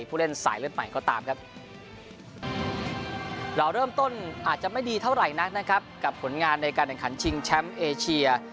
ผู้เล่นสายเลือดใหม่ก็ตามครับเราเริ่มต้นอาจจะไม่ดีเท่าไหร่นักนะครับกับผลงานในการแข่งขันชิงแชมป์เอเชีย